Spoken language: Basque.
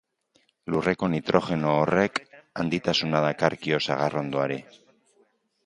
Lurreko nitrogeno horrek handitasuna dakarkio sagarrondoari.